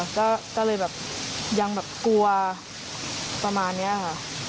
ค่ะก็เลยแบบยังแบบกลัวประมาณเนี้ยอ่ะค่ะ